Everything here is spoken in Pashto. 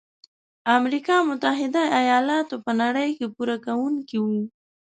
امریکا متحد ایلاتو په نړۍ کې پوره کوونکي وو.